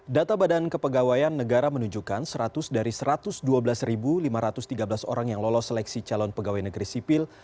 data badan kepegawaian negara menunjukkan seratus dari satu ratus dua belas lima ratus tiga belas orang yang lolos seleksi calon pegawai negeri sipil